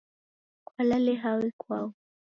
Kwalale hao ikwau?